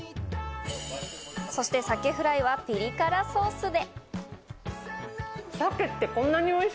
そしてサケフライはピリ辛ソースで。